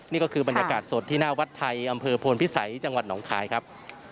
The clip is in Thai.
นี่ก็คือบรรยากาศสดที่หน้าวัดไทยอำเภอโพนพิสัยจังหวัดหนองคายครับ